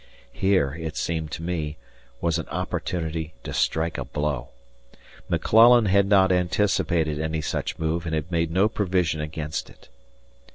Here, it seemed to me, was an opportunity to strike a blow. McClellan had not anticipated any such move and had made no provision against it.